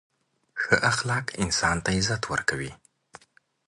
• ښه اخلاق انسان ته عزت ورکوي.